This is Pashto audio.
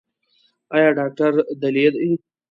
ایا ډاکټر دلې دی؟